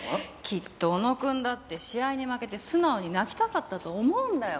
きっと小野くんだって試合に負けて素直に泣きたかったと思うんだよ。